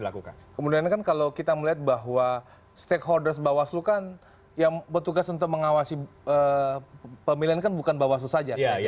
kemudian kan kalau kita melihat bahwa stakeholders bawaslu kan yang bertugas untuk mengawasi pemilihan kan bukan bawaslu saja